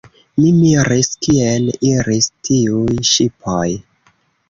Mi miris kien iris tiuj ŝipoj.